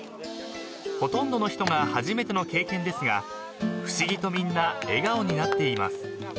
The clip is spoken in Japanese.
［ほとんどの人が初めての経験ですが不思議とみんな笑顔になっています］